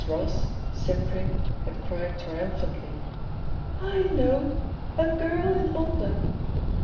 Ross, simpering, had cried trium phantly, "I know! *A Girl in London.'